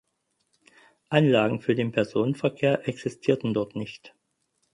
Anlagen für den Personenverkehr existierten dort nicht.